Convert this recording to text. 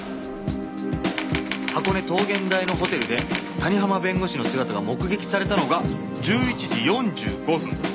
箱根桃源台のホテルで谷浜弁護士の姿が目撃されたのが１１時４５分。